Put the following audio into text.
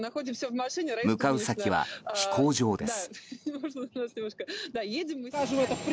向かう先は飛行場です。